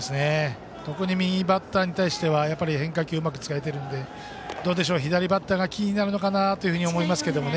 特に右バッターに対しては変化球をうまく使えているので左バッターが気になるのかなという気がしますが。